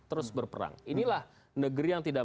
terus berperang inilah negeri yang tidak